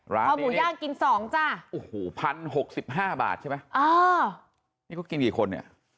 ร้านนี้อ๋อพันหกสิบห้าบาทใช่ไหมนี่เขากินกี่คนเนี่ย